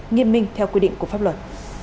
nghiêm minh theo quy định của pháp luật